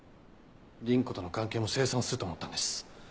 倫子との関係も清算すると思ったんです。